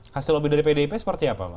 hasil lobby dari pdip seperti apa